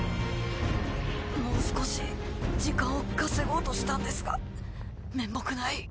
もう少し時間を稼ごうとしたんですが面目ない。